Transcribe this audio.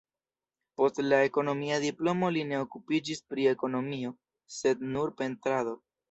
Post la ekonomia diplomo li ne okupiĝis pri ekonomio, sed nur pentrado.